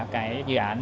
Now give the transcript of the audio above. cái dự án